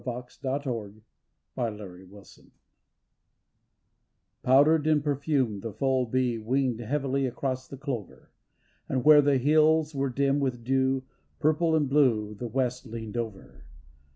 280 THE LANAWN SHEE Powdered and perfumed the full bee Winged heavily across the clover, And where the hills were dim with dew, Purple and blue the west leaned over.